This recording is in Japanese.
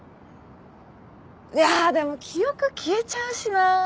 いやでも記憶消えちゃうしな。